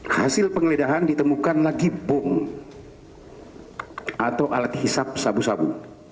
hasil penggeledahan ditemukan lagi bom atau alat hisap sabu sabu